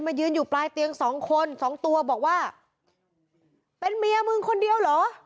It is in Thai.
ยืนอยู่ปลายเตียงสองคนสองตัวบอกว่าเป็นเมียมึงคนเดียวเหรอ